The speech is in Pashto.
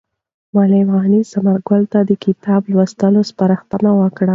معلم غني ثمر ګل ته د کتاب لوستلو سپارښتنه وکړه.